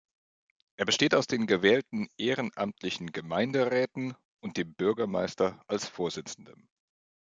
Er besteht aus den gewählten ehrenamtlichen Gemeinderäten und dem Bürgermeister als Vorsitzendem.